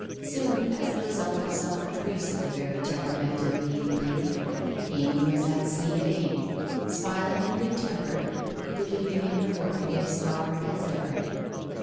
Soon, as the result of some caprice of the very temperamental leading lady, Amy was at sea again, smiling and good tempered, be lieving in her workaday star as ever.